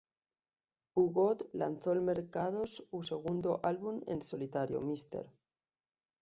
U-God lanzó al mercados u segundo álbum en solitario, "Mr.